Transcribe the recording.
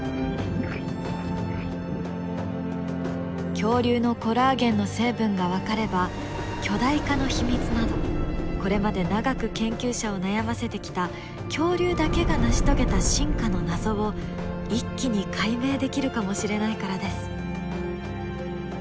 恐竜のコラーゲンの成分が分かれば巨大化の秘密などこれまで長く研究者を悩ませてきた恐竜だけが成し遂げた進化の謎を一気に解明できるかもしれないからです。